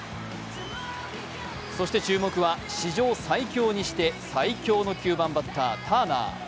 そして注目は史上最強にして最恐の９番バッター・ターナー。